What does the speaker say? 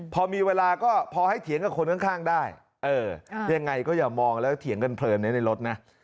พอมีเวลาก็พอให้เถียงกับคนข้างได้เออยังไงก็อย่ามองแล้วเถียงกันเพลินในรถนะ